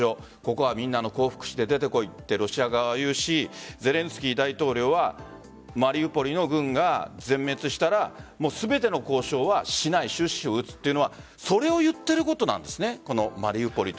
ここはみんな降伏して出て来いとロシア側は言うしゼレンスキー大統領はマリウポリの軍が全滅したら全ての交渉はしない終止符を打つというのはそれを言っていることなんですね。